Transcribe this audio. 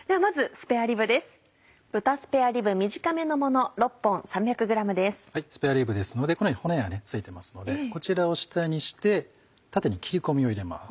スペアリブですのでこのように骨が付いてますのでこちらを下にして縦に切り込みを入れます。